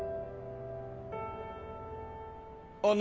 あの。